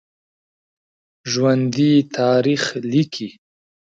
ژوندي تاریخ لیکي